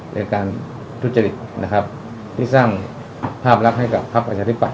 ในการทุจริตนะครับที่สร้างภาพลักษณ์ให้กับพักประชาธิปัต